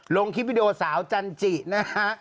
ลงคลิปวิดีโอสาวจันจินะฮะ